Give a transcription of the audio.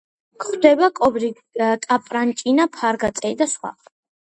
გვხვდება კობრი, კაპარჭინა, ფარგა, წერი და სხვა.